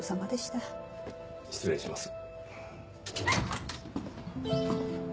失礼します。